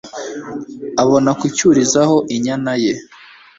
abona kucyurizaho inyana ye